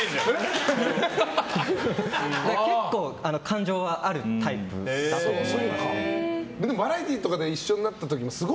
結構、感情はあるタイプだと思います。